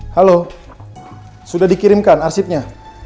halo sudah dikirimkan arsipnya